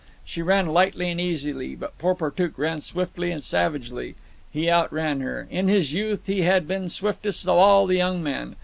She ran lightly and easily, but Porportuk ran swiftly and savagely. He outran her. In his youth he had been swiftest of all the young men.